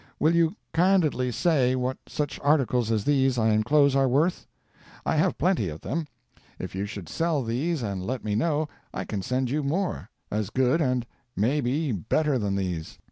Will you candidly say what such articles as these I enclose are worth? I have plenty of them. If you should sell these and let me know, I can send you more, as good and maybe better than these.